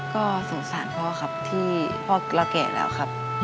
ก็สงสารพ่อครับที่พ่อเราแก่แล้วครับ